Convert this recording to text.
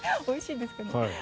おいしいんですかね？